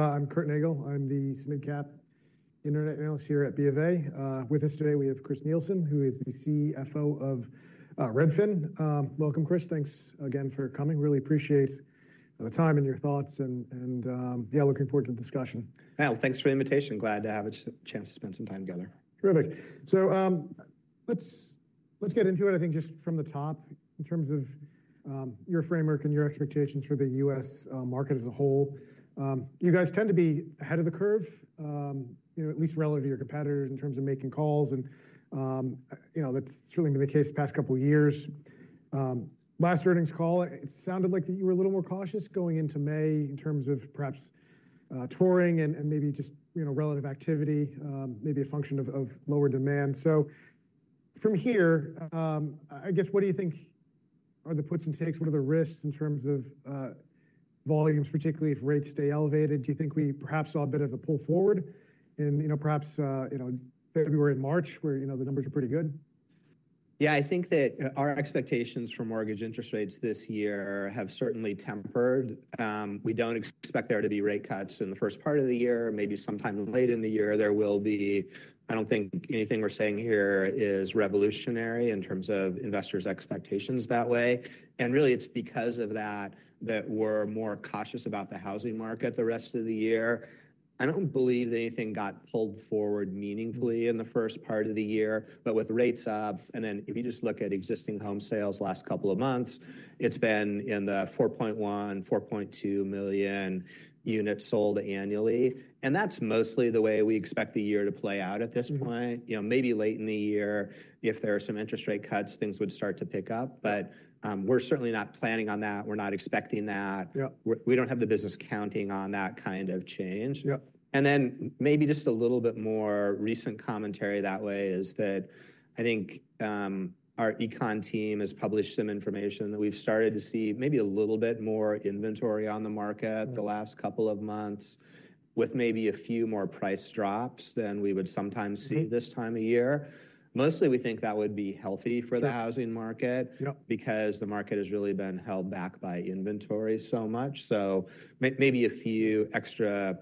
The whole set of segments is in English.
I'm Curtis Nagle. I'm the SMID-cap internet analyst here at BofA. With us today, we have Chris Nielsen, who is the CFO of Redfin. Welcome, Chris. Thanks again for coming. Really appreciate the time and your thoughts and, yeah, looking forward to the discussion. Well, thanks for the invitation. Glad to have a chance to spend some time together. Terrific. So, let's get into it, I think, just from the top, in terms of your framework and your expectations for the U.S. market as a whole. You guys tend to be ahead of the curve, you know, at least relative to your competitors in terms of making calls, and you know, that's certainly been the case the past couple of years. Last earnings call, it sounded like that you were a little more cautious going into May in terms of perhaps touring and maybe just, you know, relative activity, maybe a function of lower demand. So from here, I guess, what do you think are the puts and takes? What are the risks in terms of volumes, particularly if rates stay elevated? Do you think we perhaps saw a bit of a pull forward in, you know, perhaps, you know, February and March, where, you know, the numbers are pretty good? Yeah, I think that, our expectations for mortgage interest rates this year have certainly tempered. We don't expect there to be rate cuts in the first part of the year. Maybe sometime late in the year, there will be. I don't think anything we're saying here is revolutionary in terms of investors' expectations that way. And really, it's because of that, that we're more cautious about the housing market the rest of the year. I don't believe that anything got pulled forward meaningfully in the first part of the year, but with rates up, and then if you just look at existing home sales last couple of months, it's been in the 4.1-4.2 million units sold annually, and that's mostly the way we expect the year to play out at this point. Mm-hmm. You know, maybe late in the year, if there are some interest rate cuts, things would start to pick up. But, we're certainly not planning on that. We're not expecting that. Yep. We don't have the business counting on that kind of change. Yep. And then maybe just a little bit more recent commentary that way is that I think, our econ team has published some information that we've started to see maybe a little bit more inventory on the market- Mm. The last couple of months, with maybe a few more price drops than we would sometimes see. Mm. This time of year. Mostly, we think that would be healthy for the- Yeah. Housing market. Yep. Because the market has really been held back by inventory so much, so maybe a few extra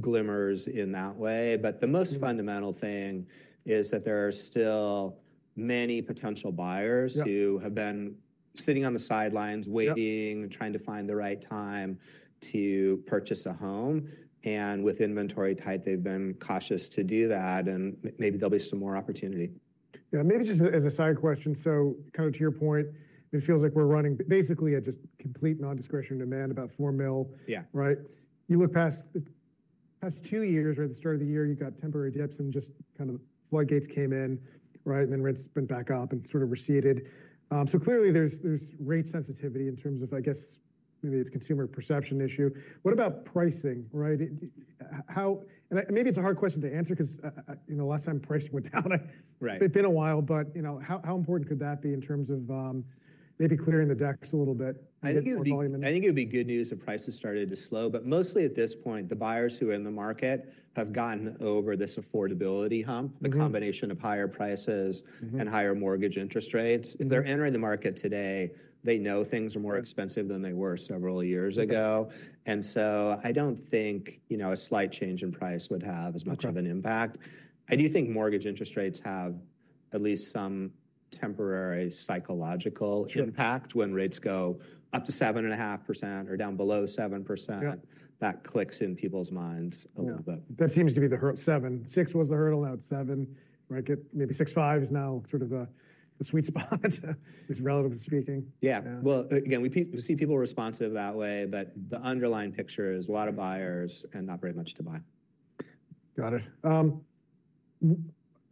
glimmers in that way. Mm. But the most fundamental thing is that there are still many potential buyers. Yep Who have been sitting on the sidelines, waiting. Yep. Trying to find the right time to purchase a home. And with inventory tight, they've been cautious to do that, and maybe there'll be some more opportunity. Yeah, maybe just as a side question, so kind of to your point, it feels like we're running basically at just complete non-discretion demand about $4 million. Yeah. Right? You look past the past two years, or the start of the year, you got temporary dips and just kind of floodgates came in, right? And then rents went back up and sort of receded. So clearly, there's rate sensitivity in terms of, I guess, maybe it's consumer perception issue. What about pricing, right? How and maybe it's a hard question to answer 'cause, you know, last time pricing went down, right? Right. It's been a while, but, you know, how important could that be in terms of, maybe clearing the decks a little bit? I think it would be. Volume. I think it would be good news if prices started to slow. But mostly at this point, the buyers who are in the market have gotten over this affordability hump- Mm-hmm. The combination of higher prices. Mm-hmm And higher mortgage interest rates. Mm. If they're entering the market today, they know things are more expensive than they were several years ago. Mm. And so I don't think, you know, a slight change in price would have as much- Right. of an impact. I do think mortgage interest rates have at least some temporary psychological impact. Sure. When rates go up to 7.5% or down below 7%. Yep. That clicks in people's minds a little bit. Yeah. That seems to be the hurdle, 7. 6 was the hurdle, now it's 7, right? Maybe 6.5 is now sort of the, the sweet spot, at least relatively speaking. Yeah. Yeah. Well, again, we see people responsive that way, but the underlying picture is a lot of buyers and not very much to buy. Got it.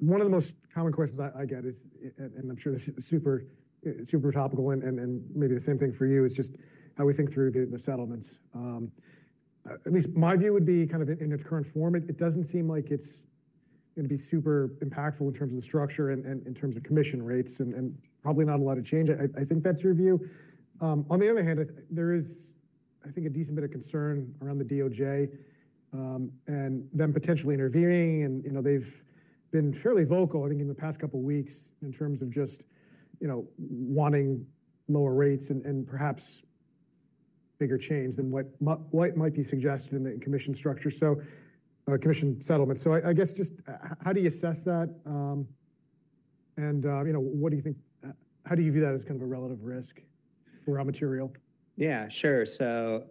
One of the most common questions I get is, and I'm sure this is super, super topical and, maybe the same thing for you, is just how we think through the settlements. At least my view would be kind of in its current form, it doesn't seem like it's going to be super impactful in terms of the structure and in terms of commission rates and probably not a lot of change. I think that's your view. On the other hand, there is, I think, a decent bit of concern around the DOJ, and them potentially intervening and, you know, they've been fairly vocal, I think, in the past couple of weeks in terms of just, you know, wanting lower rates and perhaps bigger change than what might be suggested in the commission structure. So, commission settlement. So I guess just how do you assess that, and, you know, what do you think—how do you view that as kind of a relative risk for Redfin? Yeah, sure. So,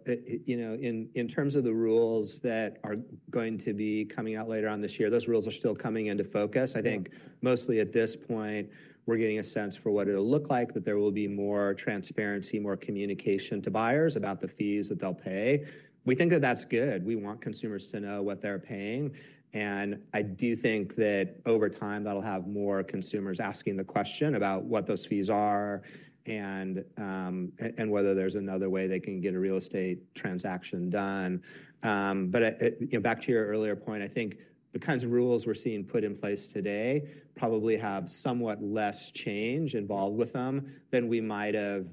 you know, in terms of the rules that are going to be coming out later on this year, those rules are still coming into focus. I think mostly at this point, we're getting a sense for what it'll look like, that there will be more transparency, more communication to buyers about the fees that they'll pay. We think that that's good. We want consumers to know what they're paying, and I do think that over time, that'll have more consumers asking the question about what those fees are and and whether there's another way they can get a real estate transaction done. But, you know, back to your earlier point, I think the kinds of rules we're seeing put in place today probably have somewhat less change involved with them than we might have-...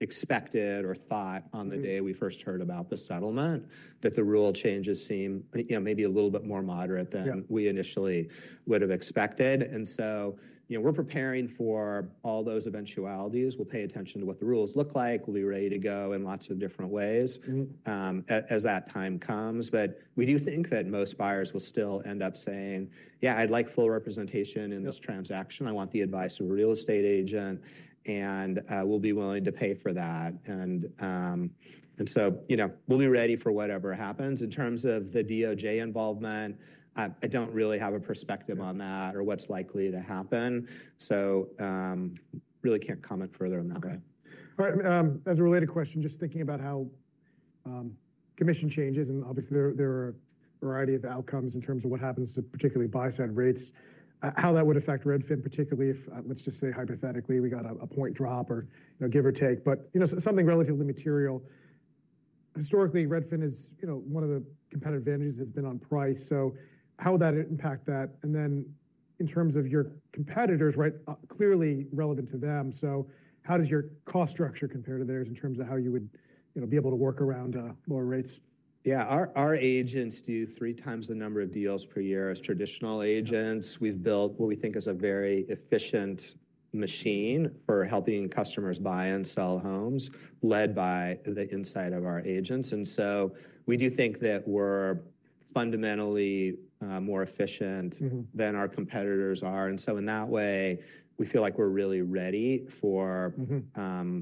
expected or thought on the day we first heard about the settlement that the rule changes seem, you know, maybe a little bit more moderate than- Yeah. we initially would have expected. And so, you know, we're preparing for all those eventualities. We'll pay attention to what the rules look like. We'll be ready to go in lots of different ways. Mm-hmm. As that time comes. But we do think that most buyers will still end up saying: "Yeah, I'd like full representation in this transaction. I want the advice of a real estate agent, and will be willing to pay for that." And so, you know, we'll be ready for whatever happens. In terms of the DOJ involvement, I don't really have a perspective on that or what's likely to happen, so really can't comment further on that. Okay. All right, as a related question, just thinking about how commission changes, and obviously there are a variety of outcomes in terms of what happens to particularly buy-side rates. How that would affect Redfin, particularly if let's just say hypothetically, we got a point drop or, you know, give or take, but, you know, so something relatively material. Historically, Redfin is, you know, one of the competitive advantages that's been on price, so how would that impact that? And then in terms of your competitors, right, clearly relevant to them, so how does your cost structure compare to theirs in terms of how you would, you know, be able to work around lower rates? Yeah. Our agents do three times the number of deals per year as traditional agents. We've built what we think is a very efficient machine for helping customers buy and sell homes, led by the insight of our agents. And so we do think that we're fundamentally more efficient. Mm-hmm. Than our competitors are. So in that way, we feel like we're really ready for. Mm-hmm.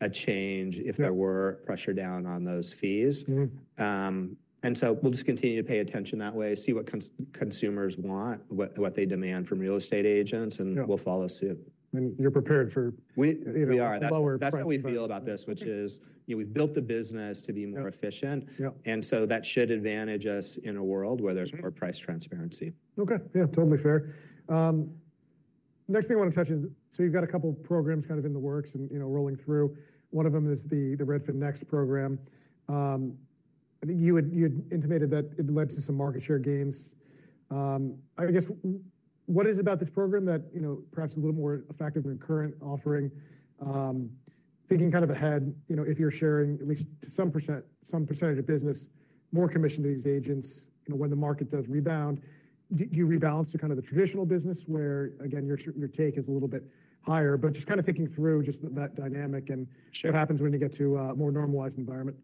A change if there were pressure down on those fees. Mm-hmm. We'll just continue to pay attention that way, see what consumers want, what they demand from real estate agents. Yeah And we'll follow suit. And you're prepared for. We are. You know, lower. That's how we feel about this, which is, you know, we've built the business to be more efficient. Yeah, yeah. That should advantage us in a world where there's. Mm-hmm. More price transparency. Okay. Yeah, totally fair. Next thing I want to touch on, so you've got a couple programs kind of in the works and, you know, rolling through. One of them is the Redfin Next program. I think you had intimated that it led to some market share gains. I guess, what is it about this program that, you know, perhaps a little more effective than current offering? Thinking kind of ahead, you know, if you're sharing at least some percent, some percentage of business, more commission to these agents, you know, when the market does rebound, do you rebalance to kind of the traditional business, where, again, your take is a little bit higher? But just kind of thinking through just that dynamic, and- Sure. What happens when you get to a more normalized environment.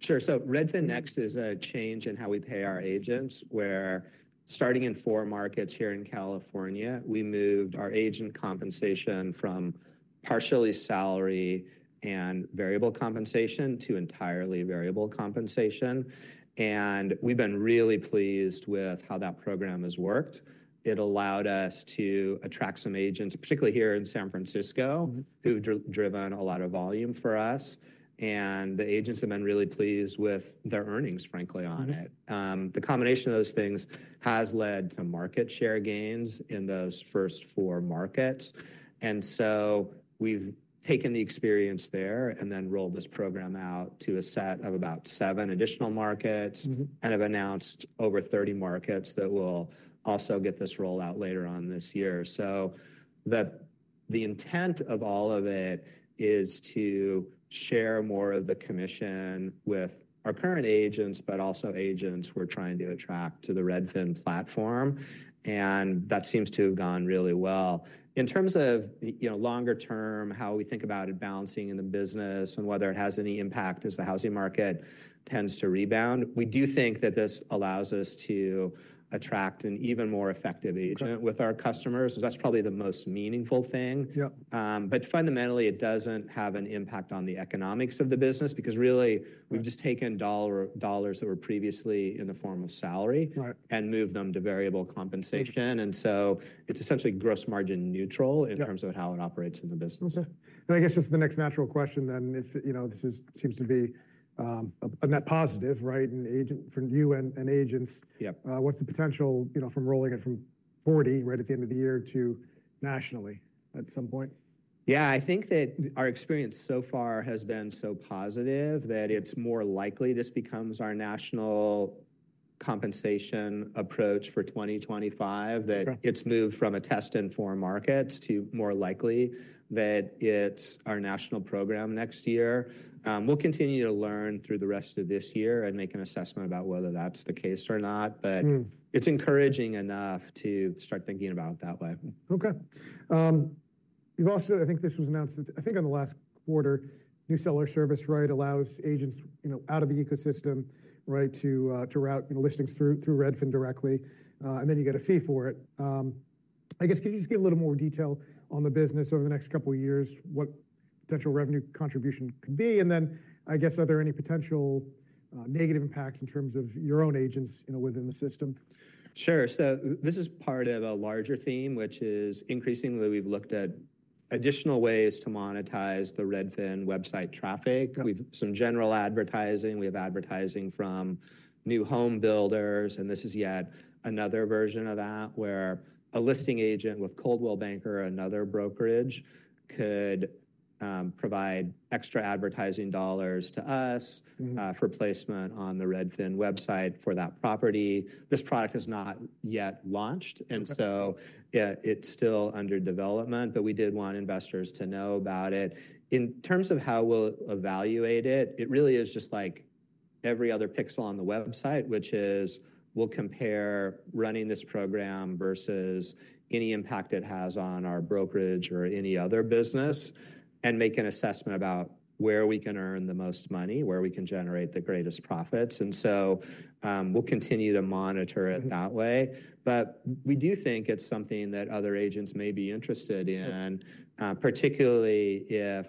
Sure. Redfin Next is a change in how we pay our agents, where starting in four markets here in California, we moved our agent compensation from partially salary and variable compensation to entirely variable compensation. We've been really pleased with how that program has worked. It allowed us to attract some agents, particularly here in San Francisco- Mm-hmm.... who've driven a lot of volume for us. The agents have been really pleased with their earnings, frankly, on it. Mm-hmm. The combination of those things has led to market share gains in those first four markets. And so we've taken the experience there and then rolled this program out to a set of about seven additional markets. Mm-hmm. And have announced over 30 markets that will also get this rollout later on this year. So the intent of all of it is to share more of the commission with our current agents, but also agents we're trying to attract to the Redfin platform. And that seems to have gone really well. In terms of, you know, longer term, how we think about it balancing in the business and whether it has any impact as the housing market tends to rebound, we do think that this allows us to attract an even more effective agent- Okay. With our customers. So that's probably the most meaningful thing. Yeah. But fundamentally, it doesn't have an impact on the economics of the business, because really. Yeah. We've just taken dollars that were previously in the form of salary. Right. And moved them to variable compensation. Mm-hmm. And so it's essentially gross margin neutral. Yeah. In terms of how it operates in the business. Okay. I guess this is the next natural question then, if you know this seems to be a net positive, right? An agent from you and agents. Yep. What's the potential, you know, from rolling it from 40 right at the end of the year to nationally at some point? Yeah, I think that our experience so far has been so positive that it's more likely this becomes our national compensation approach for 2025. Okay. That it's moved from a test in four markets to more likely, that it's our national program next year. We'll continue to learn through the rest of this year and make an assessment about whether that's the case or not. But. Mm-hmm. It's encouraging enough to start thinking about it that way. Okay. You've also-- I think this was announced, I think, on the last quarter. New seller service, right, allows agents, you know, out of the ecosystem, right, to route, you know, listings through Redfin directly, and then you get a fee for it. I guess could you just give a little more detail on the business over the next couple of years, what potential revenue contribution could be? And then, I guess, are there any potential negative impacts in terms of your own agents, you know, within the system? Sure. So this is part of a larger theme, which is increasingly we've looked at additional ways to monetize the Redfin website traffic. Okay. We've some general advertising, we have advertising from new home builders, and this is yet another version of that, where a listing agent with Coldwell Banker or another brokerage could provide extra advertising dollars to us. Mm-hmm. For placement on the Redfin website for that property. This product is not yet launched, and so. Okay. Yeah, it's still under development, but we did want investors to know about it. In terms of how we'll evaluate it, it really is just like every other pixel on the website, which is we'll compare running this program versus any impact it has on our brokerage or any other business, and make an assessment about where we can earn the most money, where we can generate the greatest profits. And so, we'll continue to monitor it that way. But we do think it's something that other agents may be interested in, particularly if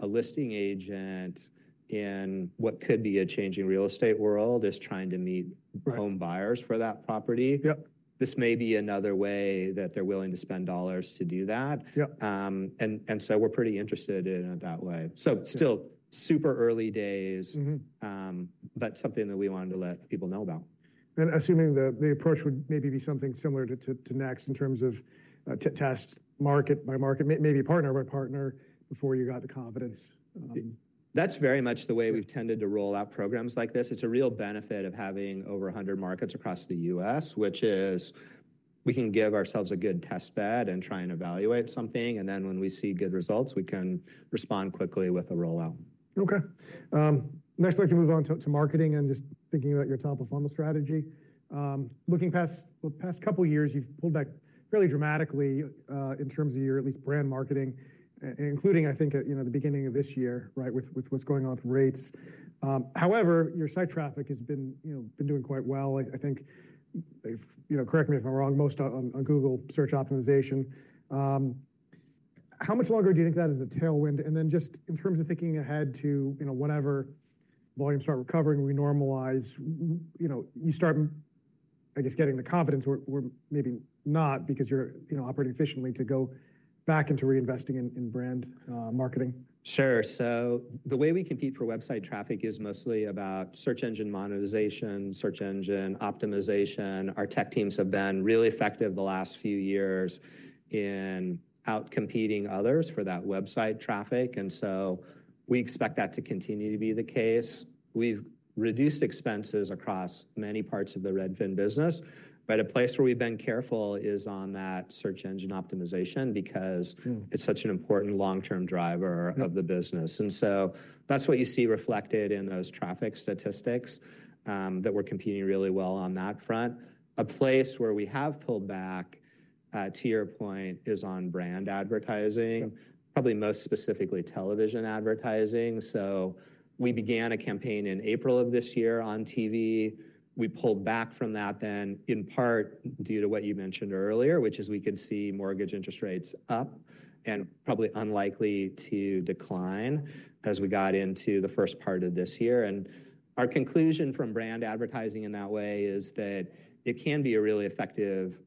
a listing agent in what could be a changing real estate world, is trying to meet. Right. Home buyers for that property. Yep. This may be another way that they're willing to spend dollars to do that. Yep. And so we're pretty interested in it that way. So still, super early days. Mm-hmm. Something that we wanted to let people know about. And assuming the approach would maybe be something similar to Next in terms of test market by market, maybe partner by partner, before you got the confidence. That's very much the way we've tended to roll out programs like this. It's a real benefit of having over 100 markets across the US, which is, we can give ourselves a good test bed and try and evaluate something, and then when we see good results, we can respond quickly with a rollout. Okay. Next, I'd like to move on to marketing and just thinking about your top-of-funnel strategy. Looking past the past couple of years, you've pulled back fairly dramatically, in terms of your at least brand marketing, including, I think, at, you know, the beginning of this year, right, with what's going on with rates. However, your site traffic has been, you know, doing quite well. I think if you know, correct me if I'm wrong, most on Google search optimization. How much longer do you think that is a tailwind? And then just in terms of thinking ahead to, you know, whenever volumes start recovering, we normalize, you know, you start, I guess, getting the confidence or maybe not because you're, you know, operating efficiently to go back into reinvesting in brand marketing. Sure. So the way we compete for website traffic is mostly about search engine monetization, search engine optimization. Our tech teams have been really effective the last few years in outcompeting others for that website traffic, and so we expect that to continue to be the case. We've reduced expenses across many parts of the Redfin business, but a place where we've been careful is on that search engine optimization, because. Mm. It's such an important long-term driver. Mm. of the business. And so that's what you see reflected in those traffic statistics, that we're competing really well on that front. A place where we have pulled back, to your point, is on brand advertising. Yep. Probably most specifically, television advertising. So we began a campaign in April of this year on TV. We pulled back from that then, in part, due to what you mentioned earlier, which is we could see mortgage interest rates up, and probably unlikely to decline as we got into the first part of this year. And our conclusion from brand advertising in that way is that it can be a really effective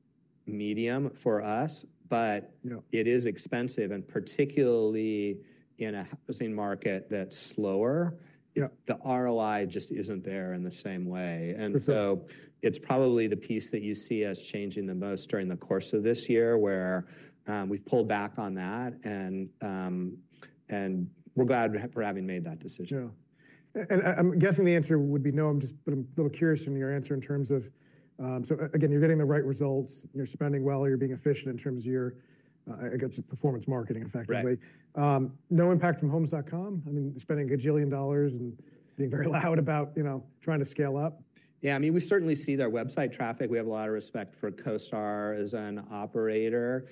medium for us, but- Yep. It is expensive, and particularly in a housing market that's slower- Yep. The ROI just isn't there in the same way. For sure. And so it's probably the piece that you see us changing the most during the course of this year, where we've pulled back on that, and we're glad for having made that decision. Yeah. And I'm guessing the answer would be no. I'm just, but I'm a little curious from your answer in terms of... So again, you're getting the right results, you're spending well, you're being efficient in terms of your, I guess, performance marketing, effectively. Right. No impact from Homes.com? I mean, spending a gajillion dollars and being very loud about, you know, trying to scale up. Yeah, I mean, we certainly see their website traffic. We have a lot of respect for CoStar as an operator.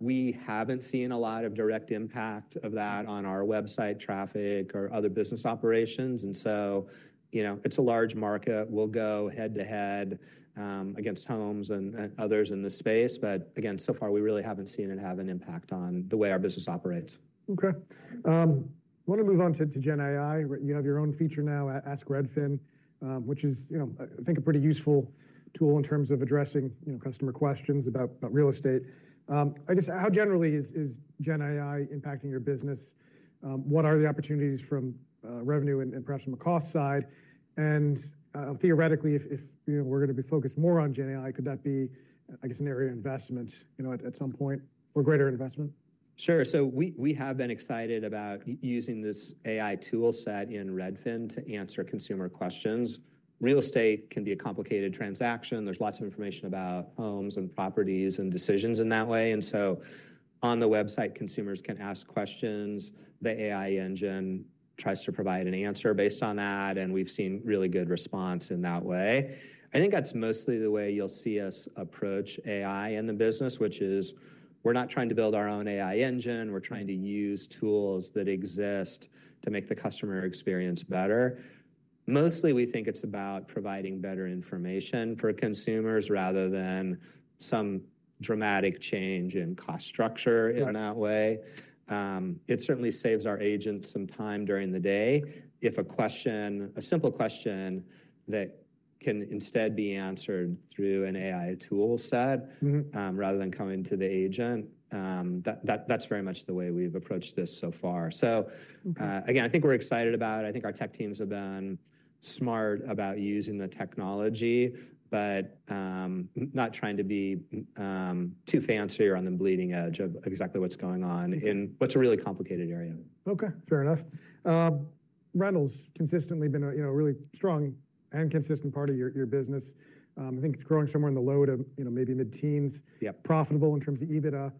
We haven't seen a lot of direct impact of that on our website traffic or other business operations, and so, you know, it's a large market. We'll go head-to-head against Homes and others in this space. But again, so far, we really haven't seen it have an impact on the way our business operates. Okay. I want to move on to Gen AI. You have your own feature now, Ask Redfin, which is, you know, I think, a pretty useful tool in terms of addressing, you know, customer questions about real estate. I guess, how generally is Gen AI impacting your business? What are the opportunities from revenue and perhaps from a cost side? And theoretically, if you know, we're going to be focused more on Gen AI, could that be, I guess, an area of investment, you know, at some point, or greater investment? Sure. So we have been excited about using this AI tool set in Redfin to answer consumer questions. Real estate can be a complicated transaction. There's lots of information about homes and properties, and decisions in that way. And so on the website, consumers can ask questions. The AI engine tries to provide an answer based on that, and we've seen really good response in that way. I think that's mostly the way you'll see us approach AI in the business, which is we're not trying to build our own AI engine, we're trying to use tools that exist to make the customer experience better. Mostly, we think it's about providing better information for consumers, rather than some dramatic change in cost structure in that way. Yep. It certainly saves our agents some time during the day. If a question, a simple question that can instead be answered through an AI tool set. Mm-hmm. Rather than coming to the agent, that's very much the way we've approached this so far. So. Mm-hmm. Again, I think we're excited about it. I think our tech teams have been smart about using the technology, but not trying to be too fancy or on the bleeding edge of exactly what's going on Mm-hmm. In what's a really complicated area. Okay, fair enough. Rentals consistently been a, you know, a really strong and consistent part of your, your business. I think it's growing somewhere in the low to, you know, maybe mid-teens. Yep. Profitable in terms of EBITDA.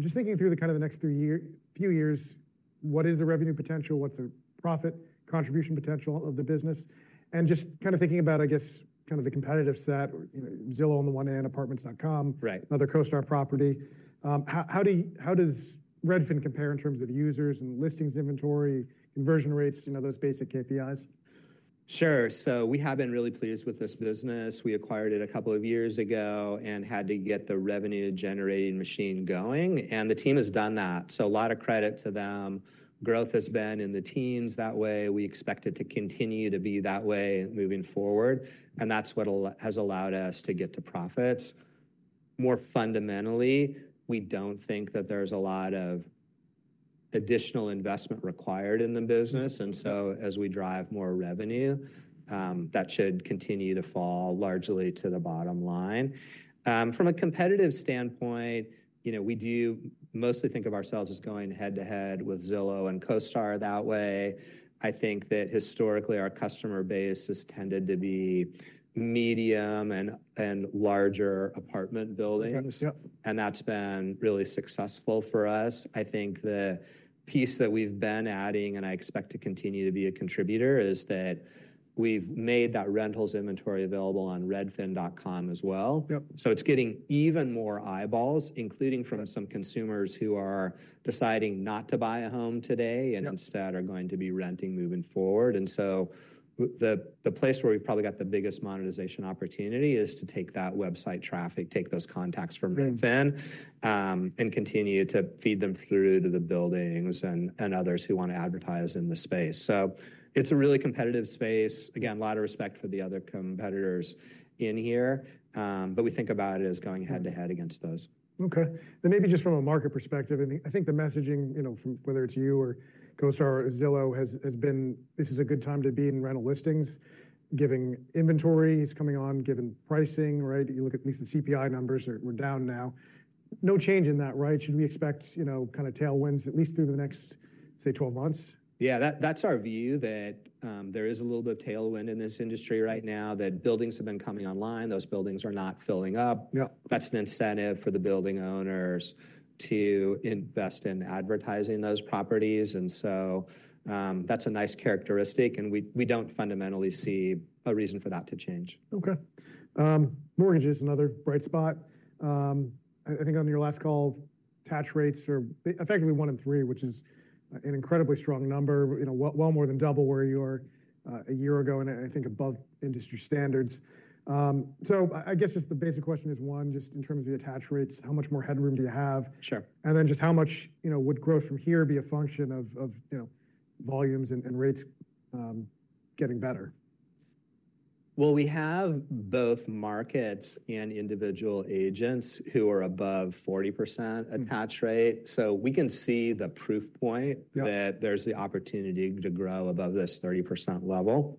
Just thinking through the kind of the next few years—what is the revenue potential? What's the profit contribution potential of the business? And just kind of thinking about, I guess, kind of the competitive set, or, you know, Zillow on the one hand, Apartments.com. Right. -another CoStar property. How does Redfin compare in terms of users and listings, inventory, conversion rates, you know, those basic KPIs? Sure. So we have been really pleased with this business. We acquired it a couple of years ago and had to get the revenue-generating machine going, and the team has done that, so a lot of credit to them. Growth has been in the teams that way. We expect it to continue to be that way moving forward, and that's what has allowed us to get to profits. More fundamentally, we don't think that there's a lot of additional investment required in the business, and so as we drive more revenue, that should continue to fall largely to the bottom line. From a competitive standpoint, you know, we do mostly think of ourselves as going head-to-head with Zillow and CoStar that way. I think that historically, our customer base has tended to be medium and larger apartment buildings. Yep. That's been really successful for us. I think the piece that we've been adding, and I expect to continue to be a contributor, is that we've made that rentals inventory available on Redfin.com as well. Yep. It's getting even more eyeballs, including from some consumers who are deciding not to buy a home today. Yep. And instead are going to be renting moving forward. And so the place where we've probably got the biggest monetization opportunity is to take that website traffic, take those contacts from Redfin. Yeah. And continue to feed them through to the buildings and others who want to advertise in the space. So it's a really competitive space. Again, a lot of respect for the other competitors in here, but we think about it as going head-to-head against those. Okay. Then maybe just from a market perspective, and I think the messaging, you know, from whether it's you or CoStar or Zillow, has been, this is a good time to be in rental listings, given inventory is coming on, given pricing, right? You look at least the CPI numbers were down now. No change in that, right? Should we expect, you know, kind of tailwinds at least through the next, say, 12 months? Yeah, that's our view, that there is a little bit of tailwind in this industry right now, that buildings have been coming online. Those buildings are not filling up. Yep. That's an incentive for the building owners to invest in advertising those properties. And so, that's a nice characteristic, and we don't fundamentally see a reason for that to change. Okay. Mortgage is another bright spot. I think on your last call, attach rates are effectively one in three, which is an incredibly strong number. You know, well more than double where you were a year ago, and I think above industry standards. So I guess just the basic question is, one, just in terms of the attach rates, how much more headroom do you have? Sure. And then just how much, you know, would growth from here be a function of you know volumes and rates getting better? Well, we have both markets and individual agents who are above 40% attach rate. Mm-hmm. So we can see the proof point. Yep. That there's the opportunity to grow above this 30% level.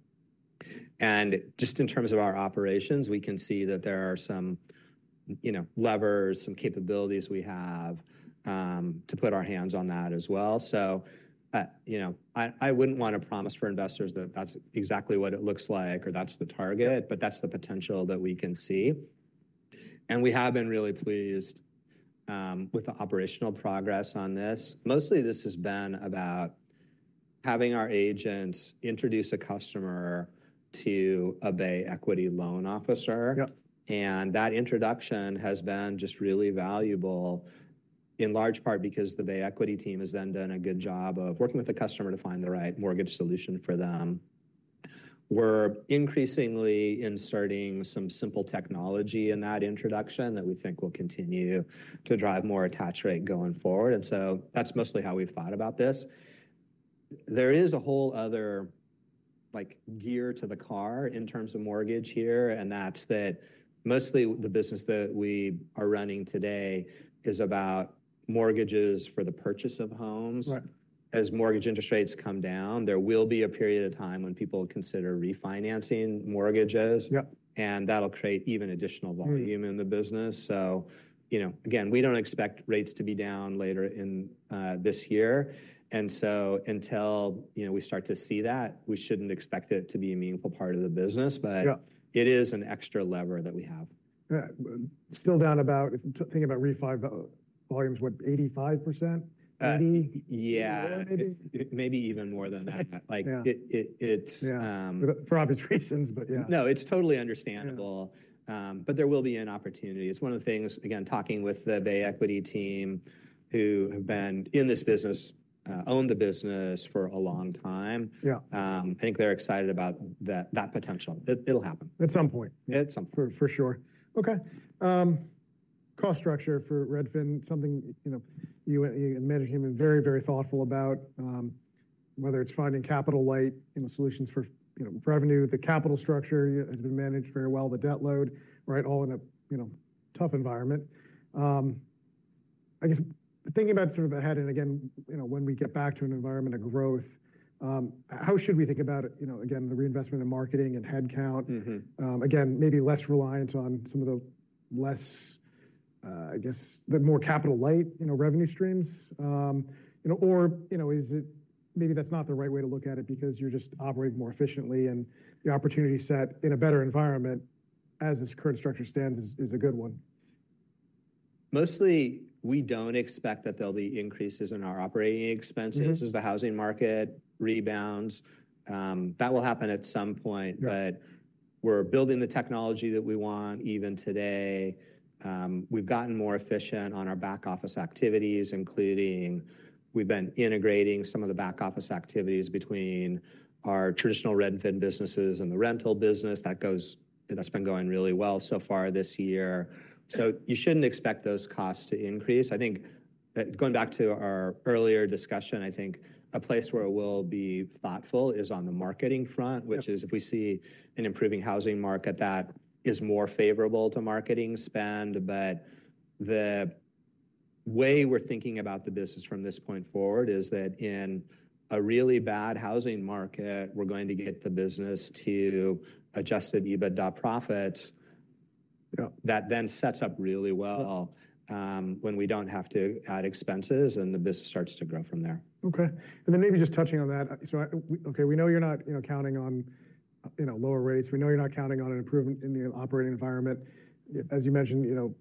Just in terms of our operations, we can see that there are some, you know, levers, some capabilities we have, to put our hands on that as well. You know, I wouldn't want to promise for investors that that's exactly what it looks like or that's the target. Mm-hmm. But that's the potential that we can see. We have been really pleased with the operational progress on this. Mostly, this has been about having our agents introduce a customer to a Bay Equity loan officer. Yep. And that introduction has been just really valuable, in large part because the Bay Equity team has then done a good job of working with the customer to find the right mortgage solution for them. We're increasingly inserting some simple technology in that introduction that we think will continue to drive more attach rate going forward, and so that's mostly how we've thought about this. There is a whole other, like, gear to the car in terms of mortgage here, and that's that mostly the business that we are running today is about mortgages for the purchase of homes. Right. As mortgage interest rates come down, there will be a period of time when people consider refinancing mortgages. Yep. And that'll create even additional volume. Mm In the business. So, you know, again, we don't expect rates to be down later in, this year. And so until, you know, we start to see that, we shouldn't expect it to be a meaningful part of the business. Yep. But it is an extra lever that we have. Yeah. Still down about, if you think about refi volumes, what, 85%? 80%? Uh, yeah. Maybe. Maybe even more than that. Yeah. Like, it's Yeah. For obvious reasons, but yeah. No, it's totally understandable. Yeah. But there will be an opportunity. It's one of the things, again, talking with the Bay Equity team, who have been in this business, owned the business for a long time. Yeah. I think they're excited about that, that potential. It, it'll happen. At some point. At some point. For sure. Okay, cost structure for Redfin, something you know you admitted you've been very, very thoughtful about, whether it's finding capital light, you know, solutions for, you know, revenue. The capital structure has been managed very well, the debt load, right, all in a you know, tough environment. I guess thinking about sort of ahead, and again, you know, when we get back to an environment of growth, how should we think about, you know, again, the reinvestment in marketing and headcount? Mm-hmm. Again, maybe less reliance on some of the less, I guess, the more capital light, you know, revenue streams. You know, or, you know, is it - maybe that's not the right way to look at it because you're just operating more efficiently, and the opportunity set in a better environment as this current structure stands is a good one.... Mostly, we don't expect that there'll be increases in our operating expenses. Mm-hmm. As the housing market rebounds. That will happen at some point. Right. But we're building the technology that we want even today. We've gotten more efficient on our back-office activities, including we've been integrating some of the back-office activities between our traditional Redfin businesses and the rental business. That's been going really well so far this year. So you shouldn't expect those costs to increase. I think that going back to our earlier discussion, I think a place where we'll be thoughtful is on the marketing front. Yep. which is if we see an improving housing market, that is more favorable to marketing spend. But the way we're thinking about the business from this point forward is that in a really bad housing market, we're going to get the business to Adjusted EBITDA profits. Yeah. That then sets up really well. Yeah When we don't have to add expenses and the business starts to grow from there. Okay. And then maybe just touching on that. So, okay, we know you're not, you know, counting on, you know, lower rates. We know you're not counting on an improvement in the operating environment, as you mentioned, you know,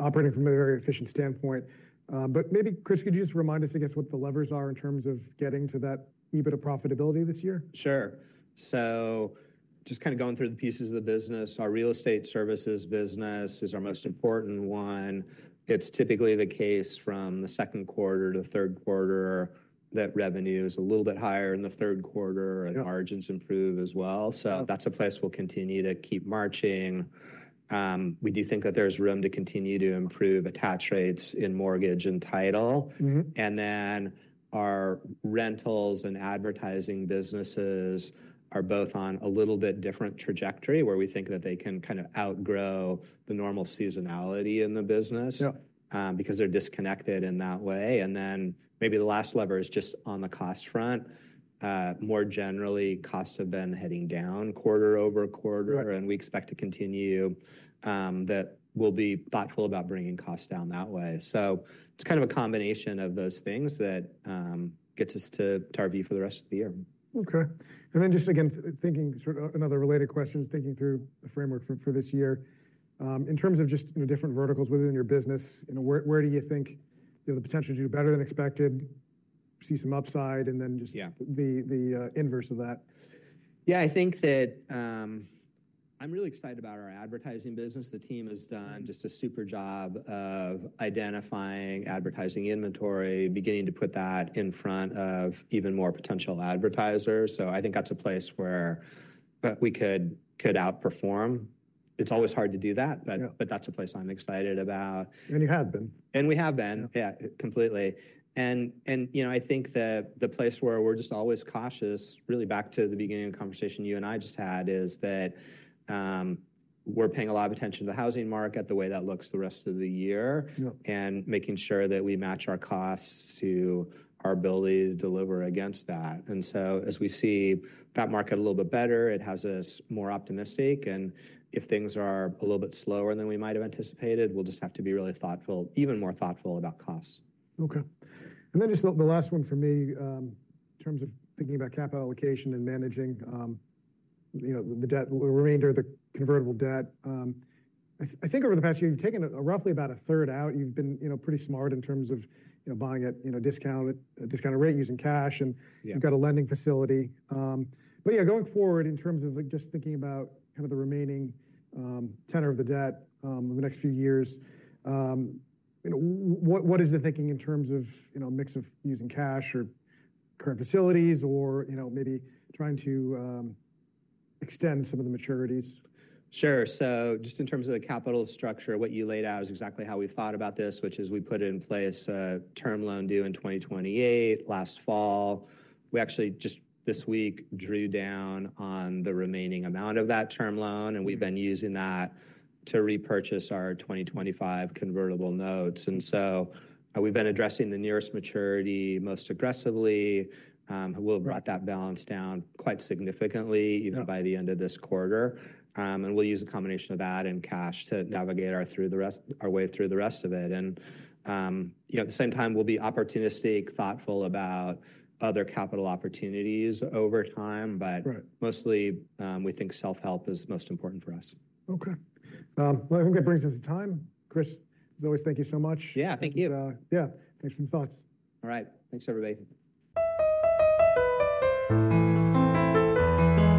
operating from a very efficient standpoint. But maybe, Chris, could you just remind us, I guess, what the levers are in terms of getting to that EBITDA profitability this year? Sure. So just kind of going through the pieces of the business. Our real estate services business is our most important one. It's typically the case from the second quarter to third quarter, that revenue is a little bit higher in the third quarter- Yeah Margins improve as well. Yeah. That's a place we'll continue to keep marching. We do think that there's room to continue to improve attach rates in mortgage and title. Mm-hmm. And then our rentals and advertising businesses are both on a little bit different trajectory, where we think that they can kind of outgrow the normal seasonality in the business. Yeah Because they're disconnected in that way. And then maybe the last lever is just on the cost front. More generally, costs have been heading down quarter-over-quarter. Right. And we expect to continue, that we'll be thoughtful about bringing costs down that way. So it's kind of a combination of those things that, gets us to our view for the rest of the year. Okay. And then just again, thinking sort of another related question, thinking through the framework for this year. In terms of just, you know, different verticals within your business, you know, where do you think you have the potential to do better than expected, see some upside, and then just. Yeah. The inverse of that? Yeah, I think that, I'm really excited about our advertising business. The team has done just a super job of identifying advertising inventory, beginning to put that in front of even more potential advertisers. So I think that's a place where, that we could outperform. It's always hard to do that. Yeah. But that's a place I'm excited about. And you have been. We have been. Yeah. Yeah, completely. And, you know, I think that the place where we're just always cautious, really back to the beginning of the conversation you and I just had, is that, we're paying a lot of attention to the housing market, the way that looks the rest of the year. Yeah. Making sure that we match our costs to our ability to deliver against that. So as we see that market a little bit better, it has us more optimistic, and if things are a little bit slower than we might have anticipated, we'll just have to be really thoughtful, even more thoughtful about costs. Okay. And then just the last one for me, in terms of thinking about capital allocation and managing, you know, the debt, the remainder of the convertible debt. I think over the past year, you've taken a, roughly about a third out. You've been, you know, pretty smart in terms of, you know, buying it, you know, discounted, a discounted rate using cash, and. Yeah. You've got a lending facility. But yeah, going forward, in terms of, like, just thinking about kind of the remaining tenor of the debt over the next few years, you know, what, what is the thinking in terms of, you know, mix of using cash or current facilities or, you know, maybe trying to extend some of the maturities? Sure. So just in terms of the capital structure, what you laid out is exactly how we thought about this, which is we put in place a term loan due in 2028 last fall. We actually just this week drew down on the remaining amount of that term loan, and we've been using that to repurchase our 2025 convertible notes. And so we've been addressing the nearest maturity most aggressively. We've brought that balance down quite significantly. Yeah. Even by the end of this quarter. We'll use a combination of that and cash to navigate our way through the rest of it. You know, at the same time, we'll be opportunistic, thoughtful about other capital opportunities over time, but. Right. Mostly, we think self-help is most important for us. Okay. Well, I think that brings us to time. Chris, as always, thank you so much. Yeah, thank you. Yeah. Thanks for the thoughts. All right. Thanks, everybody.